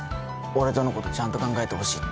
俺とのことちゃんと考えてほしい。